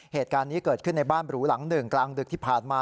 เหตุการณ์นี้เกิดขึ้นในบ้านหรูหลังหนึ่งกลางดึกที่ผ่านมา